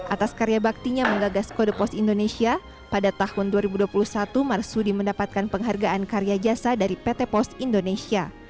atas karya baktinya menggagas kode pos indonesia pada tahun dua ribu dua puluh satu marsudi mendapatkan penghargaan karya jasa dari pt pos indonesia